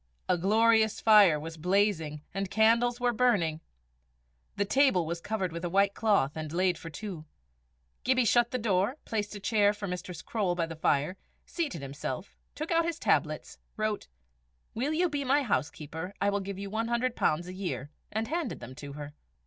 A glorious fire was blazing and candles were burning. The table was covered with a white cloth, and laid for two. Gibbie shut the door, placed a chair for Mistress Croale by the fire, seated himself, took out his tablets, wrote "Will you be my housekeeper? I will give you £100 a year," and handed them to her.